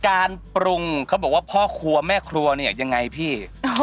การปรุงเขาบอกว่าพ่อครัวแม่ครัวเนี่ยยังไงพี่